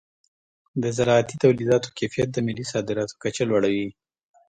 د زراعتي تولیداتو کیفیت د ملي صادراتو کچه لوړوي.